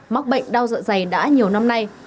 mắc bệnh đau dạ dày đã nhiều năm nay